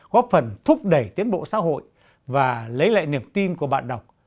góp phần thúc đẩy tiến bộ xã hội và lấy lại niềm tin của bạn đọc